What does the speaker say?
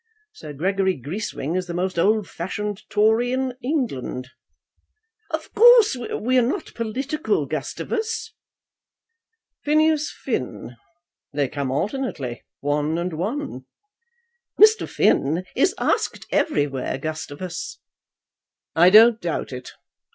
Sir Gregory Greeswing is the most old fashioned Tory in England." "Of course we are not political, Gustavus." "Phineas Finn. They come alternately, one and one. "Mr. Finn is asked everywhere, Gustavus." "I don't doubt it.